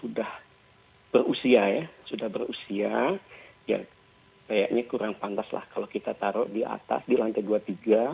sudah berusia ya sudah berusia ya kayaknya kurang pantas lah kalau kita taruh di atas di lantai dua puluh tiga